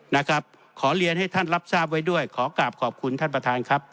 นะครับขอเรียนให้ท่านรับทราบไว้ด้วยขอกลับขอบคุณท่านประธานครับ